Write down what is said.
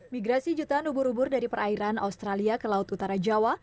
migrasi jutaan ubur ubur dari perairan australia ke laut utara jawa